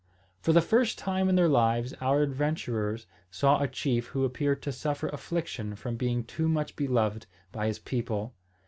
For the first time in their lives our adventurers saw a chief who appeared to suffer affliction from being too much beloved by his people!